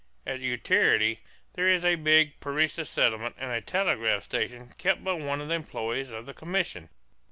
At Utiarity there is a big Parecis settlement and a telegraph station kept by one of the employees of the commission.